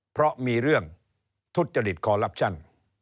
เพราะมีเรื่องทุจริตคอลลับชั่น